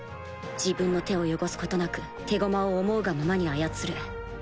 自分の手を汚すことなく手駒を思うがままに操る